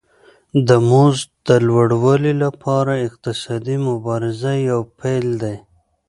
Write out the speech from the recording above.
د مزد د لوړوالي لپاره اقتصادي مبارزه یو پیل دی